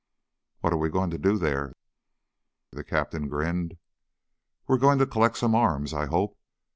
"What are we going to do there?" The captain grinned. "We're going to collect some arms, I hope.